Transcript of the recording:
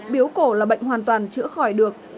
biếu cổ là bệnh hoàn toàn chữa khỏi được